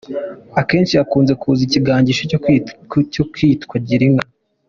Akenshi hakunze kuza igikangisho ngo kitwa Gira inka.